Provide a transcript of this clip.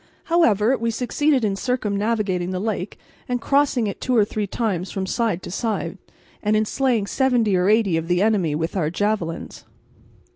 However, we succeeded in circumnavigating the lake and crossing it two or three times from side to side, and in slaying seventy or eighty of the enemy with our javelins.